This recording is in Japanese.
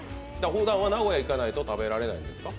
本当は名古屋に行かないと食べられないんですか？